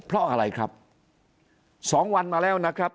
เพราะอะไรครับสองวันมาแล้วนะครับ